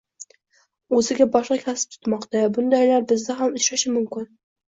Oʻziga boshqa kasb tutmoqda. Bundaylar bizda ham uchrashi mumkin.